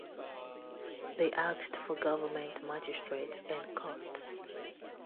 They asked for government magistrates and courts.